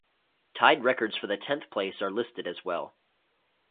Tied records for the tenth place are listed as well.